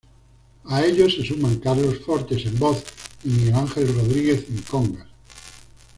A ellos se suman Carlos Fortes en voz y Miguel Ángel Rodríguez en congas.